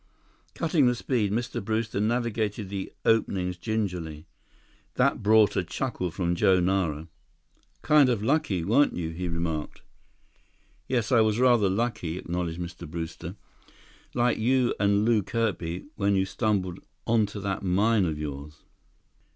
Cutting the speed, Mr. Brewster navigated the openings gingerly. That brought a chuckle from Joe Nara. "Kind of lucky, weren't you?" he remarked. "Yes, I was rather lucky," acknowledged Mr. Brewster. "Like you and Lew Kirby, when you stumbled onto that mine of yours."